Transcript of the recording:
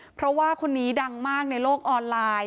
เพราะว่าคนนี้ดังมากในโลกออนไลน์